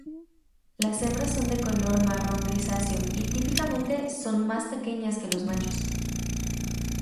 Las hembras son de color marrón-grisáceo y típicamente son más pequeñas que los machos.